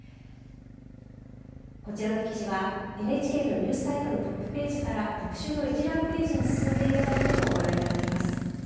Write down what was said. こちらの記事はＮＨＫのニュースサイトのトップページから特集の一覧ページに進んでいただいてもご覧いただけます。